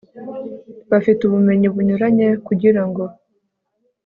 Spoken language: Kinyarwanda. bafite ubumenyi bunyuranye kugira ngo